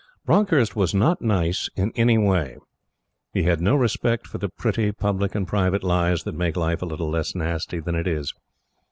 Bronckhorst was not nice in any way. He had no respect for the pretty public and private lies that make life a little less nasty than it is.